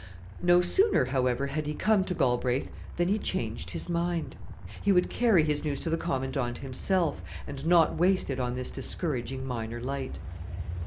No sooner, however, had he come to Galbraith than he changed his mind. He would carry his news to the Commandant himself, and not waste it on this discouraging minor light.